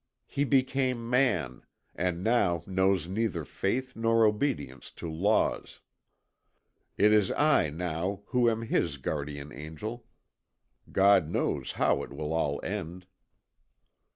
He became man, and now knows neither faith nor obedience to laws. It is I, now, who am his guardian angel. God knows how it will all end."